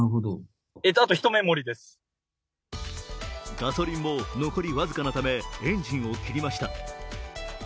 ガソリンも残り僅かなためエンジンを切りました。